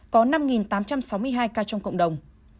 có năm tám trăm sáu mươi hai ca trong cộng đồng